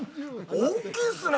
大きいですね。